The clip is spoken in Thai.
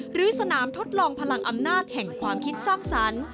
หรือสนามทดลองพลังอำนาจแห่งความคิดสร้างสรรค์